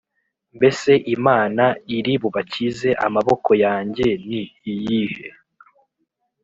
Mbese imana iri bubakize amaboko yanjye ni iyihe